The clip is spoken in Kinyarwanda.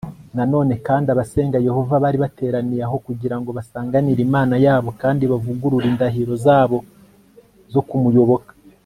na none kandi abasenga yehova bari bateraniye aho kugira ngo basanganire imana yabo kandi bavugurure indahiro zabo zo kumuyoboka